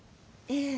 ええ。